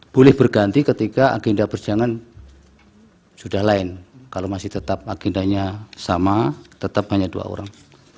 boleh berganti ketika agenda persidangan sudah lain kalau masih tetap agendanya sama tetap hanya dua orang